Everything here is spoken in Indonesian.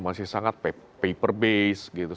masih sangat paper base gitu